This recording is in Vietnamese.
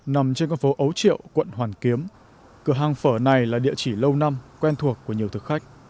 nằm trên các phố ấu triệu quận hoàn kiếm cửa hàng phở này là địa chỉ lâu năm quen thuộc của nhiều thực khách